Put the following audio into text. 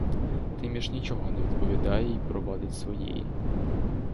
Тиміш нічого не відповідає й провадить своєї.